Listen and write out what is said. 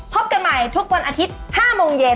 พบกันใหม่ทุกวันอาทิตย์๕โมงเย็น